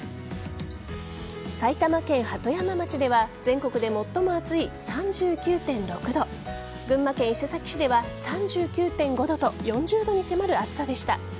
埼玉県鳩山町では全国で最も暑い３９．６度群馬県伊勢崎市では３９．５度と４０度に迫る暑さでした。